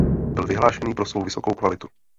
Byl vyhlášený pro svou vysokou kvalitu.